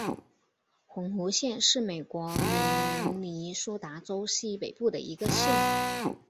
红湖县是美国明尼苏达州西北部的一个县。